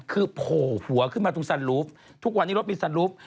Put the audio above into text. คือโผล่หัวขึ้นมาตรงซันลูฟทุกวันนี้รถมีซันรูป